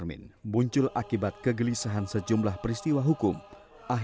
mengukuhkan gandrik sebagai teater yang melintas zaman